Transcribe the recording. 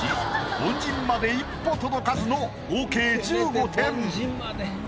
凡人まで一歩届かずの合計１５点。